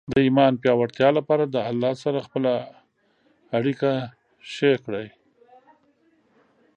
د ایمان پیاوړتیا لپاره د الله سره خپل اړیکه ښې کړئ.